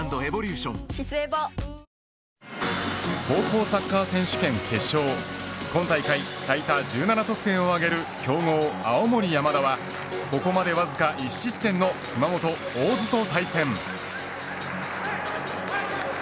高校サッカー選手権決勝今大会、最多１７得点を挙げる強豪、青森山田はここまでわずか１失点の熊本大津と対戦。